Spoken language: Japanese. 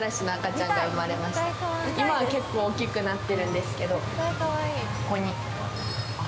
今は結構大きくなってるんですけどここに。